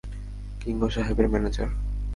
কিঙ্গো সাহেবের ম্যানেজার।